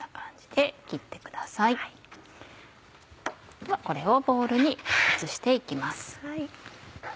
ではこれをボウルに移して行きます。